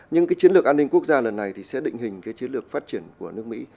nhưng cái chiến lược an ninh quốc gia lần này thì sẽ định hình cái chiến lược phát triển của nước mỹ